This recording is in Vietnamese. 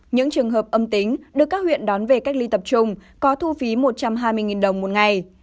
những trường hợp âm tính được các huyện đón về cách ly tập trung có thu phí một trăm hai mươi đồng một ngày